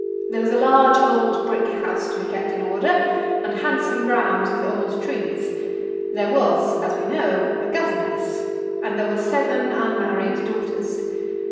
There was a large old brick house to be kept in order, and handsome grounds with old trees. There was, as we know, a governess, and there were seven unmarried daughters.